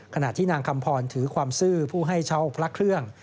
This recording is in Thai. ขณะที่นางคำพรถือความซื่อผู้ให้เช่าพระเครื่อง